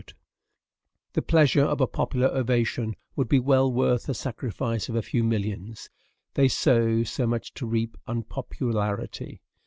The pleasure of a popular ovation would be well worth the sacrifice of a few millions. They sow so much to reap unpopularity!